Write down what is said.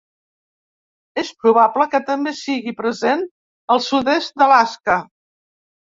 És probable que també sigui present al sud-est d'Alaska.